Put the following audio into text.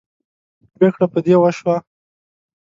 پرېکړه په دې وشوه.